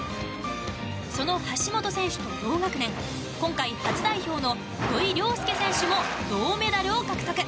その橋本選手と同学年今回初代表の土井陵輔選手も銅メダルを獲得。